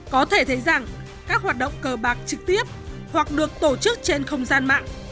có thể thấy rằng các hoạt động cờ bạc trực tiếp hoặc được tổ chức trên không gian mạng